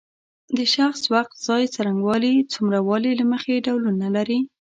د شخص وخت ځای څرنګوالی څومره والی له مخې ډولونه لري.